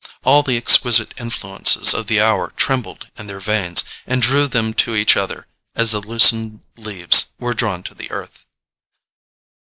All the exquisite influences of the hour trembled in their veins, and drew them to each other as the loosened leaves were drawn to the earth.